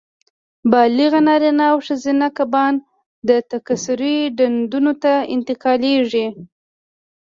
بالغ نارینه او ښځینه کبان د تکثیر ډنډونو ته انتقالېږي.